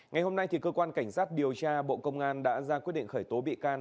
ngày hôm nay cơ quan cảnh sát điều tra bộ công an đã ra quyết định khởi tố bị can